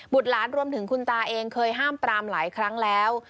หลานรวมถึงคุณตาเองเคยห้ามปรามหลายครั้งแล้ว